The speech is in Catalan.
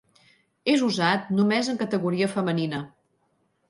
És usat només en categoria femenina.